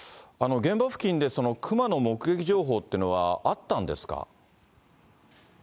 現場付近で熊の目撃情報っていうのはあったんですか。